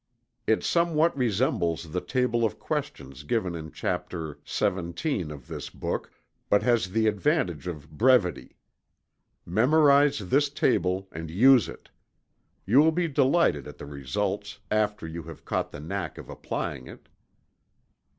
It somewhat resembles the table of questions given in Chapter XVII, of this book, but has the advantage of brevity. Memorize this table and use it. You will be delighted at the results, after you have caught the knack of applying it.